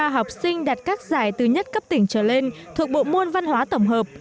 hai trăm ba mươi ba học sinh đạt các giải từ nhất cấp tỉnh trở lên thuộc bộ môn văn hóa tổng hợp